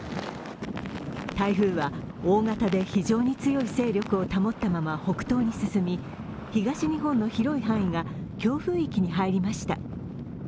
台風は大型で非常に強い勢力を保ったまま北東に進み東日本の広い範囲が強風域に入りました。